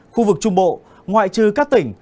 khu vực trung bộ ngoại trừ các tỉnh